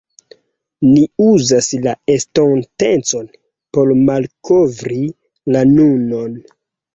ni uzas la estontecon por malkovri la nunon.